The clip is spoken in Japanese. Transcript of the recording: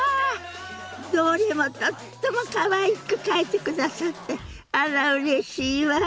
どれもとってもかわいく描いてくださってあらうれしいわ。